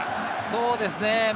そうですね。